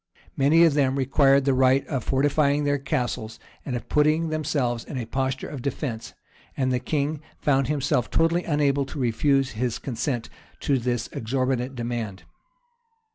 Many of them required the right of fortifying their castles, and of putting themselves in a posture of defence; and the king found himself totally unable to refuse his consent to this exorbitant demand.